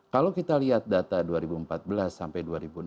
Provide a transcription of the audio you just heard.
kalau kita lihat data dua ribu empat belas sampai dua ribu enam belas